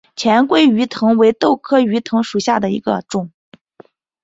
黔桂鱼藤为豆科鱼藤属下的一个种。